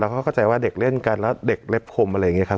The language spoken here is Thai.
เขาเข้าใจว่าเด็กเล่นกันแล้วเด็กเล็บคมอะไรอย่างนี้ครับ